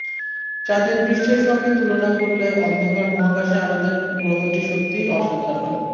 চাঁদের পৃষ্ঠের সঙ্গে তুলনা করলে অন্ধকার মহাকাশে আমাদের গ্রহটি সত্যিই অসাধারণ।